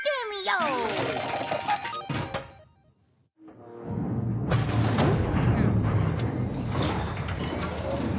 うん。